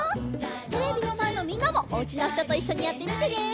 テレビのまえのみんなもおうちのひとといっしょにやってみてね。